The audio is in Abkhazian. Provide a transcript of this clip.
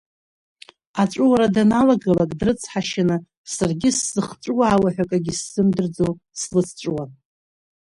Аҵәуара даналагалак дрыцҳашьаны, саргьы сзыхҵәуаауа ҳәа акгьы сзымдырӡо слыцҵәуон.